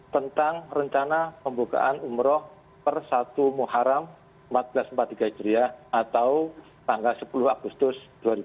tentang rencana pembukaan umroh per satu muharam seribu empat ratus empat puluh tiga hijriah atau tanggal sepuluh agustus dua ribu dua puluh